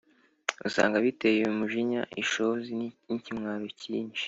usanga biteye umujinya, ishozi n’ikimwaro cyinshi.